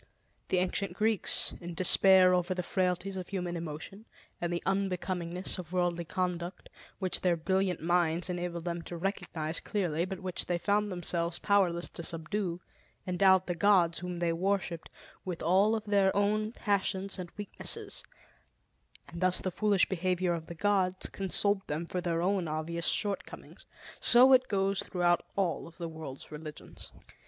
The ancient Greeks, in despair over the frailties of human emotion and the unbecomingness of worldly conduct, which their brilliant minds enabled them to recognize clearly but which they found themselves powerless to subdue, endowed the gods, whom they worshipped, with all of their own passions and weaknesses, and thus the foolish behavior of the gods consoled them for their own obvious shortcomings. So it goes throughout all of the world's religions.